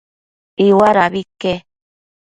Iuadabi ique